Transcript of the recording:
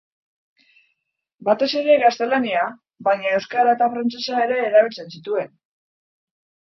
Batez ere gaztelania, baina euskara eta frantsesa ere erabiltzen zituen.